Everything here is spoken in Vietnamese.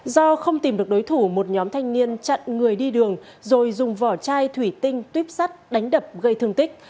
do không tìm được đối thủ một nhóm thanh niên chặn người đi đường rồi dùng vỏ chai thủy tinh tuyếp sắt đánh đập gây thương tích